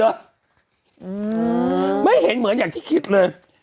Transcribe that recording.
ไม่เห็นเหมือนอย่างที่คิดเลย